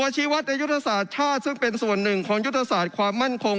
ชีวัตรในยุทธศาสตร์ชาติซึ่งเป็นส่วนหนึ่งของยุทธศาสตร์ความมั่นคง